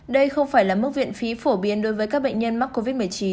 đây không phải là mức viện phí phổ biến đối với các bệnh nhân mắc covid một mươi chín